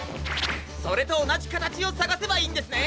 それとおなじかたちをさがせばいいんですね。